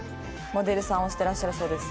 モデルさんをしてらっしゃるそうです。